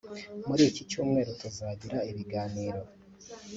muri iki cyumweru tuzagira ibiganiro